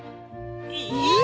えっ！？